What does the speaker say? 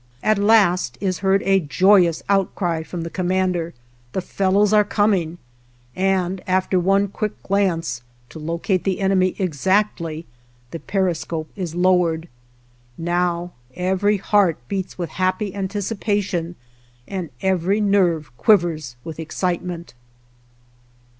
At last is heard a joyous outcry from the commander, "The fellows are coming!" and after one quick glance, to locate the enemy exactly, the periscope is lowered. Now every heart beats with happy anticipation and every nerve quivers with excitement.